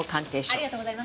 ありがとうございます。